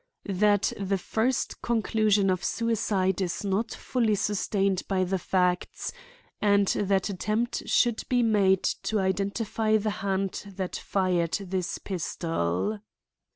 "That the first conclusion of suicide is not fully sustained by the facts; "And that attempt should be made to identify the hand that fired this pistol."